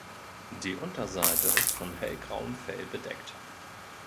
Die Unterseite ist von hellgrauem Fell bedeckt.